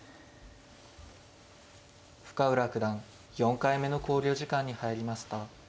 深浦九段４回目の考慮時間に入りました。